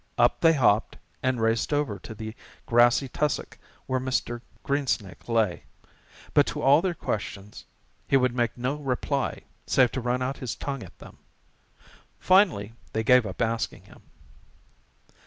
Up they hopped and raced over to the grassy tussock where Mr. Greensnake lay, but to all their questions he would make no reply save to run out his tongue at them. Finally they gave up asking him.